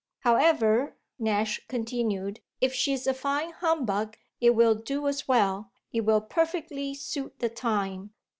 However," Nash continued, "if she's a fine humbug it will do as well, it will perfectly suit the time.